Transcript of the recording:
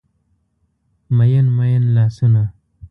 میین، میین لاسونه